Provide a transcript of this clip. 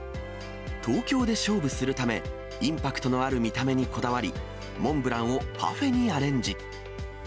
東京で勝負するため、インパクトのある見た目にこだわり、モンブランをパフェにアレンジ。